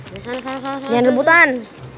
di sana di sana di sana jangan rebutan